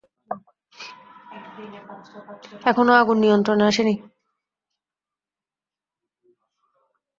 এখনো আগুন নিয়ন্ত্রণে আসেনি।